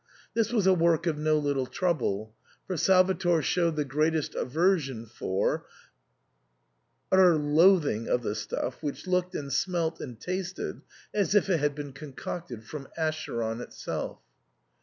This was a work of no little trouble, for Salvator showed the greatest aversion for — utter loathing of the stuff, which looked, and smelt, and tasted, as if it had been concocted from Acheron itself.